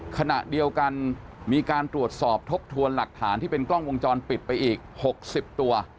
ขณะเดียวกันมีการตรวจสอบทบทวนหลักฐานที่เป็นกล้องวงจรปิดไปอีก๖๐ตัว